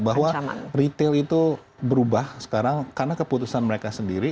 bahwa retail itu berubah sekarang karena keputusan mereka sendiri